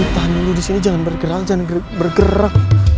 tahan dulu disini jangan bergerak jangan bergerak